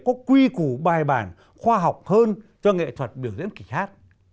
có quy củ bài bản khoa học hơn cho nghệ thuật biểu diễn kịch hát